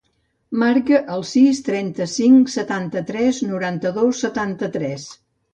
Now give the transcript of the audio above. Marca el sis, trenta-cinc, setanta-tres, noranta-dos, setanta-tres.